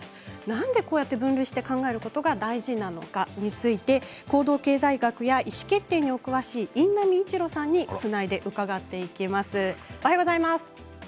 なんでこうやって分類して考えることが大事なのかについて行動経済学や意思決定にお詳しい印南一路さんにつないで伺っていきます。